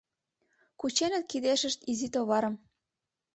Кученыт кидешышт изи товарым.